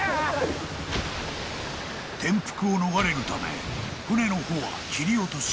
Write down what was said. ［転覆を逃れるため船の帆は切り落とし］